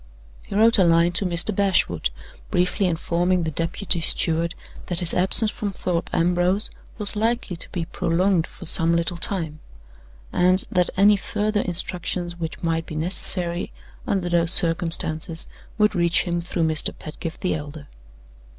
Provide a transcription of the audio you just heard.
He wrote a line to Mr. Bashwood, briefly informing the deputy steward that his absence from Thorpe Ambrose was likely to be prolonged for some little time, and that any further instructions which might be necessary, under those circumstances, would reach him through Mr. Pedgift the elder.